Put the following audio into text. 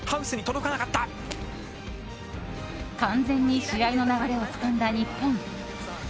完全に試合の流れをつかんだ日本。